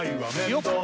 よっ！